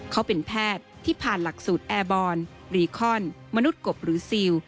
เขาเป็นแพทย์ที่ผ่านหลักสูตรแอร์บอนรีคอนมนุษย์กบหรือซิล